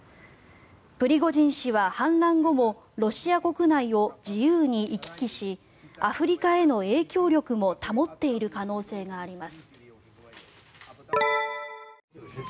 プリゴジン氏は反乱後もロシア国内を自由に行き来しアフリカへの影響力も保っている可能性があります。